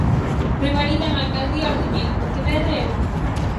Revalidan alcaldía os de Vigo, Pontevedra e Lugo.